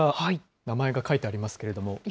名前が書いてありますけれども。